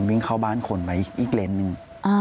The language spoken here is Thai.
วิ่งเข้าบ้านคนไว้อีกเลนส์หนึ่ง